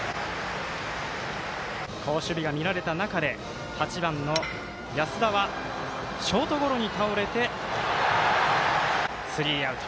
好守備が見られた中で８番の安田はショートゴロに倒れてスリーアウト。